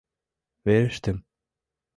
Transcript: «Верештым!»